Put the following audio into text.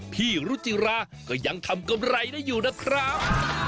พี่รุจิราก็ยังทำกำไรได้อยู่นะครับ